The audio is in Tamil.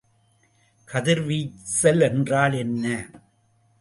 கதிர்வீசல் என்றால் என்ன?